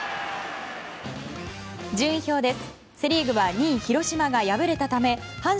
順位表です。